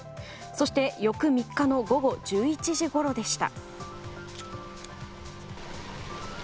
そして翌３日の午後１１時ごろでした。